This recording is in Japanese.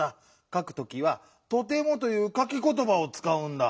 かくときは「とても」という「かきことば」をつかうんだ。